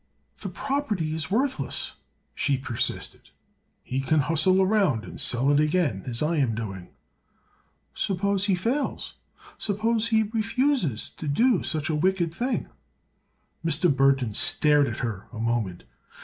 "The property is worthless," she persisted. "He can hustle around and sell it again, as I am doing." "Suppose he fails? Suppose he refuses to do such a wicked thing?" Mr. Burthon stared at her a moment.